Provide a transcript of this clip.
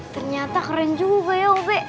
ternyata keren juga ya obe